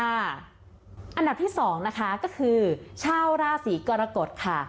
อันดับที่๒นะคะก็คือชาวราศีกรกฎค่ะ